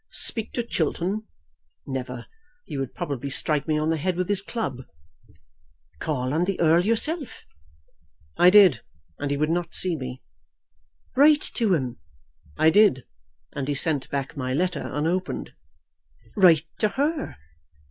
"Speak to Chiltern! Never! He would probably strike me on the head with his club." "Call on the Earl yourself." "I did, and he would not see me." "Write to him." "I did, and he sent back my letter unopened." "Write to her."